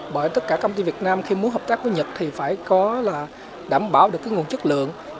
bởi tất cả công ty việt nam khi muốn hợp tác với nhật thì phải có là đảm bảo được cái nguồn chất lượng